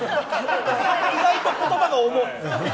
意外と言葉が重い。